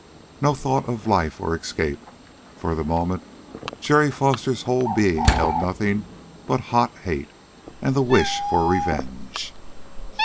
No thought now of life or escape. For the moment, Jerry Foster's whole being held nothing but hot hate, and the wish for revenge.